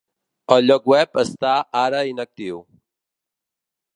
El lloc web està ara inactiu.